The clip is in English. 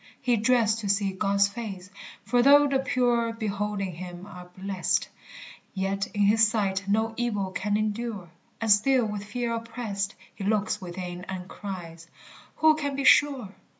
He dreads to see God's face, for though the pure Beholding him are blest, Yet in his sight no evil can endure; And still with fear oppressed He looks within and cries, "Who can be sure?"